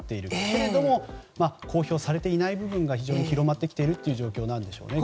けれども公表されていない部分が広まってきている状況なんでしょうね。